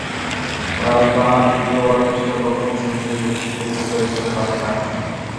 কাল টানা তৃতীয়বার টেস্টে প্রথম সেঞ্চুরি লুকোচুরি খেলল ইংল্যান্ড ওপেনারের সঙ্গে।